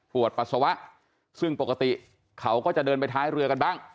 ปวดปัสสาวะซึ่งปกติเขาก็จะเดินไปท้ายเรือกันบ้าง